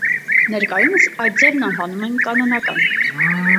Ներկայումս այդ ձևն անվանում են «կանոնական»։